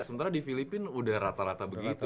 sementara di filipina udah rata rata begitu